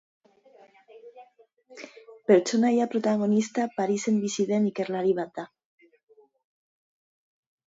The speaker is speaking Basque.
Pertsonaia protagonista Parisen bizi den ikerlari bat da.